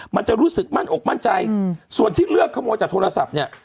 มันจะรู้สึกมั่นอกมั่นใจส่วนที่เลือกขโมยจากโทรศัพท์เนี่ย